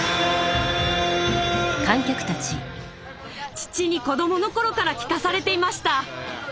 父に子供の頃から聴かされていました！